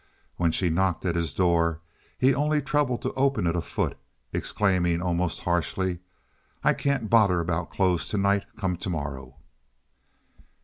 When she knocked at his door he only troubled to open it a foot, exclaiming almost harshly: "I can't bother about the clothes to night. Come tomorrow."